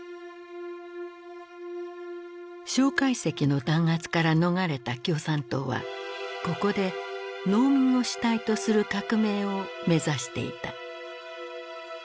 介石の弾圧から逃れた共産党はここで農民を主体とする革命を目指していた。